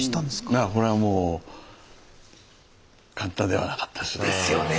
いやこれはもう簡単ではなかったですね。ですよね。